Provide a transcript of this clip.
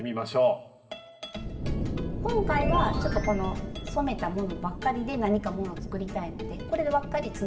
今回はちょっとこの染めたものばっかりで何かもの作りたいのでこれでばっかりつなぐ。